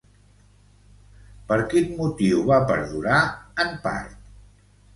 Per quin motiu va perdurar, en part?